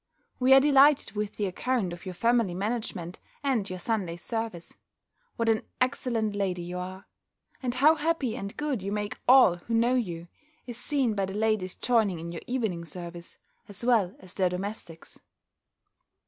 We are delighted with the account of your family management, and your Sunday's service. What an excellent lady you are! And how happy and good you make all who know you, is seen by the ladies joining in your evening service, as well as their domestics.